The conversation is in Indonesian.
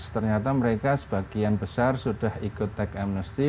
ternyata mereka sebagian besar sudah ikut tax amnesty